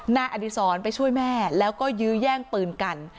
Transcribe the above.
นายอดีศรไปช่วยแม่แล้วก็ยื้อแย่งปืนกัน